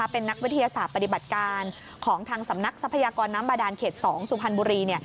เป็นนักวิทยาศาสตร์ปฏิบัติการของทางสำนักทรัพยากรน้ำบาดานเขต๒สุพรรณบุรี